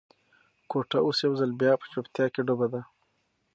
کوټه اوس یو ځل بیا په چوپتیا کې ډوبه ده.